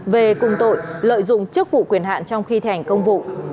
về cùng tội lợi dụng trước vụ quyền hạn trong khi thi hành công vụ